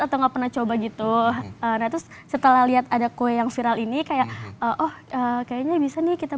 atau enggak pernah coba gitu nah terus setelah lihat ada kue yang viral ini kayak oh kayaknya bisa nih kita